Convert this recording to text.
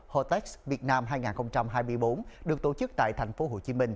hotex việt nam hai nghìn hai mươi bốn được tổ chức tại tp hcm